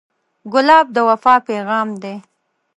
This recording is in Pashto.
ګلاب د وفا پیغام دی.